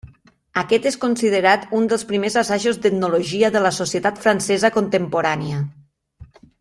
Aquest és considerat un dels primers assajos d'etnologia de la societat francesa contemporània.